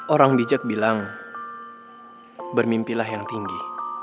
orang bijak bilang bermimpilah yang tinggi